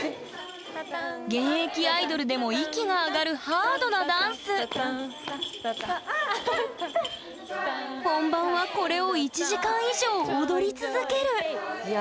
現役アイドルでも息が上がるハードなダンス本番はこれを１時間以上踊り続けるいや